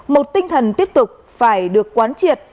một tinh thần tiếp tục phải được quán triệt